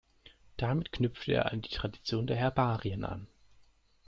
Damit knüpfte er an die Tradition der Herbarien an.